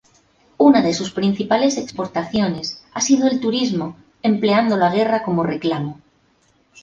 Una de sus principales exportaciones ha sido el turismo, empleando la guerra como reclamo.